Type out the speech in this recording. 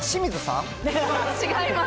違います。